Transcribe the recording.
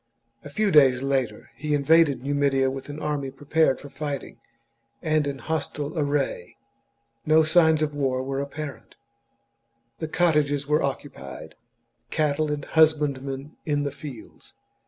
A few days later he invaded Numidia with an army prepared for fighting, and in hostile array. No signs of war were apparent ; the cottages were occu pied, cattle and husbandmen in the fields.